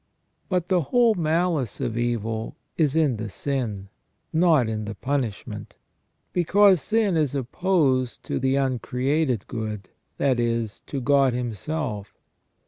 But the whole malice of evil is in the sin, not in the punishment ; because sin is opposed to the uncreated good, that is, to God Himself.